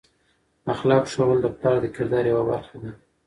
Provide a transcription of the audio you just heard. اخلاق ښوول د پلار د کردار یوه برخه ده.